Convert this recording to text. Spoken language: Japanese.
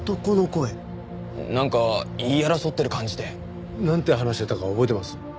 なんか言い争ってる感じで。なんて話してたか覚えてます？